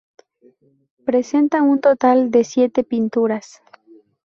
Presenta un total de siete pinturas.